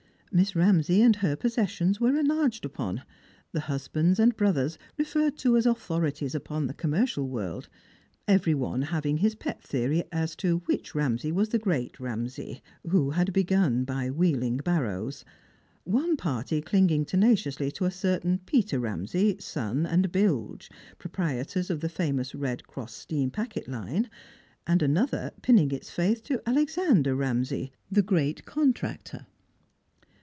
]\liss Ramsay and her possessions were enlarged upon — the husbands and brothers referred to as authorities upon the commercial world — every one having his f)et theory as to which Eamsay was the great Eamsay, who lad begun by wheeling barrows; one party clinging tenaciously to a certain Peter Ramsay, Son, and Bilge, proprietors of the famous Red Cross steam packet line ; and another pinning its faith to Alexander Ramsay, the great contractor.